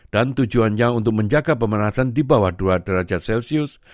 tujuannya untuk menjaga pemanasan di bawah dua derajat celcius